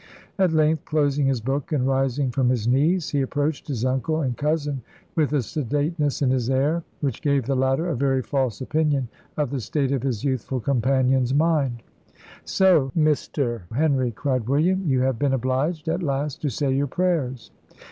At length closing his book and rising from his knees, he approached his uncle and cousin, with a sedateness in his air, which gave the latter a very false opinion of the state of his youthful companion's mind. "So, Mr. Henry," cried William, "you have been obliged, at last, to say your prayers."